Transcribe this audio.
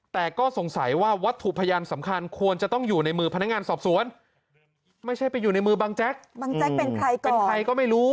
แต่ก็สงสัยว่าวัตถุพยานสำคัญควรจะต้องอยู่ในมือพนักงานสอบสวนไม่ใช่ไปอยู่ในมือบังแจ๊กบางแจ๊กเป็นใครก่อนเป็นใครก็ไม่รู้